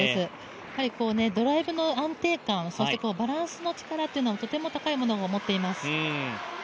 ドライブの安定感、そしてバランスの力はとても高いものを持っています。